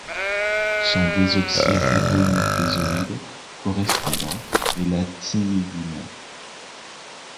Son désoxyribonucléoside correspondant est la thymidine.